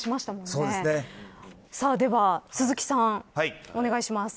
それでは鈴木さんお願いします。